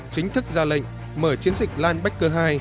chính thức ra lệnh mở chiến dịch linebacker hai